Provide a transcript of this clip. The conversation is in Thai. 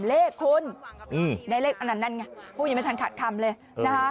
ได้เลขคุณได้เลขอันนั้นไงพวกมันยังไม่ทันขาดคำเลย